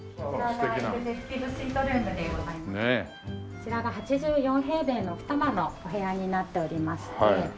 こちらが８４平米の二間のお部屋になっておりまして。